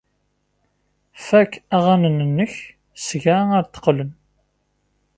Fak aɣanen-nnek seg-a ar d-qqlen.